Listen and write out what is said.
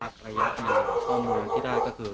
ข้อมูลที่ได้คือ